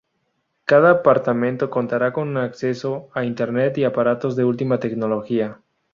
Cada apartamento contará con acceso a Internet y aparatos de última tecnología.